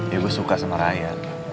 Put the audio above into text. ya gue suka sama raya